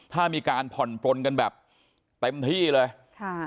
ถ้ามีการผ่อนปลนกันแบบเต็มที่เลยค่ะ